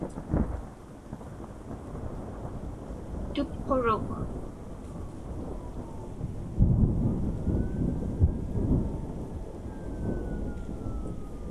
Tupquruk.